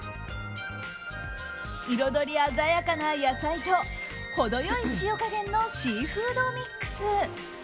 彩り鮮やかな野菜と程良い塩加減のシーフードミックス。